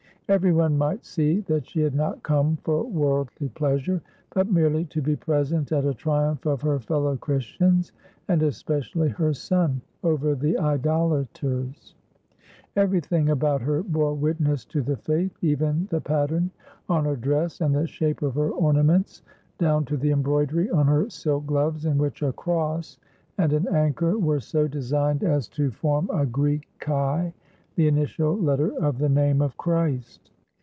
Every one might see that she had not come for worldly pleasure, but merely to be present at a triumph of her fellow Christians — and especially her son — over the idolaters. Everything about her bore witness to the Faith, even the pattern on her dress and the shape of her ornaments; down to the embroidery on her silk gloves, in which a cross and an anchor were so designed as to 494 THE WINNING OF THE FIRST MISSUS form a Greek X, the initial letter of the name of Christ.